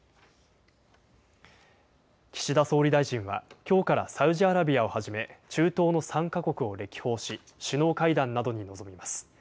岸田総理大臣は、きょうからサウジアラビアをはじめ、中東の３か国を歴訪し、首脳会談などに臨みます。